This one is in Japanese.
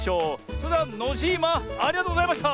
それではノジーマありがとうございました！